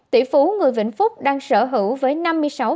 tỷ phú người vĩnh phúc đang sở hữu hơn bốn sáu trăm sáu mươi năm tỷ đồng